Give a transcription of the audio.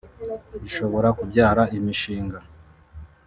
ishobora kubyara imishinga